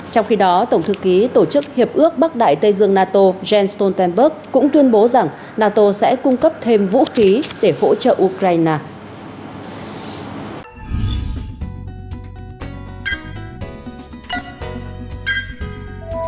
trong khi đó tổng thư ký tổ chức hiệp ước bắc đại tây dương nato jens stoltenberg cũng tuyên bố rằng nato sẽ cung cấp thêm vũ khí để hỗ trợ ukraine